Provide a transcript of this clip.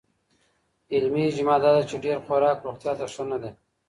علمي اجماع دا ده چې ډېر خوراک روغتیا ته ښه نه دی.